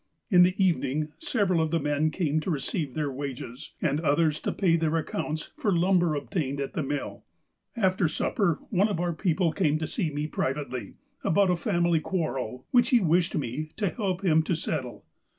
" In the evening, several of the men came to receive their wages, and others to pay their accounts for lumber obtained at the mill. "After supper, one of our people came to see me privately, about a family quarrel which he wished me to help him to settle.